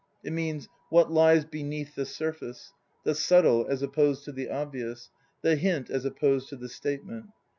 It means "what lies beneath the sur face"; the subtle as opposed to the obvious; the hint, as opposed to the statement.